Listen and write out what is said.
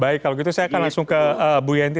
baik kalau gitu saya akan langsung ke bu yenty